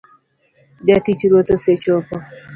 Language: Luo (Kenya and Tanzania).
Jatich ruoth osechopo